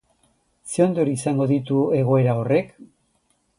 Zer ondorio izango ditu egoera horrek?